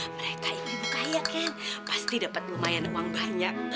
mereka ini bukaya kan pasti dapat lumayan uang banyak